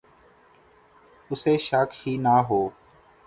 اسے شک ہی نہ ہو